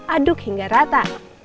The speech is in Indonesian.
aduk hingga rata